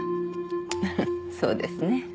ハハそうですね。